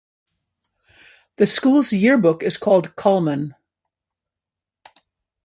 The school's yearbook is called "Culmen".